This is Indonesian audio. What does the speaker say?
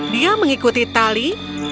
dia mengikuti tali